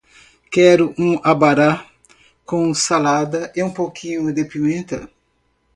Quero um abará com salada e um pouquinho de pimenta